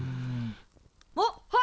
あっはい！